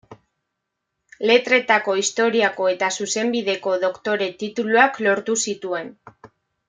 Letretako, Historiako eta Zuzenbideko doktore-tituluak lortu zituen.